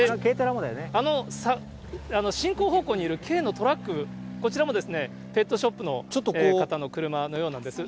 あの、進行方向にいる、軽のトラック、こちらも、ペットショップの方の車のようなんです。